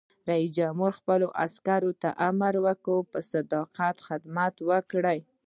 رئیس جمهور خپلو عسکرو ته امر وکړ؛ په صداقت خدمت وکړئ!